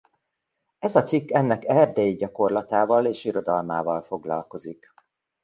Ez a cikk ennek erdélyi gyakorlatával és irodalmával foglalkozik.